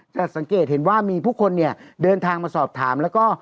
สังเกตเห็นว่ามีผู้คนเนี่ยเดินทางมาสอบถามแล้วก็